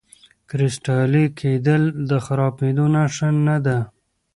کرسټالي کېدل د خرابېدو نښه نه ده.